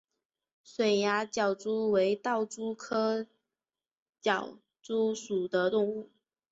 水涯狡蛛为盗蛛科狡蛛属的动物。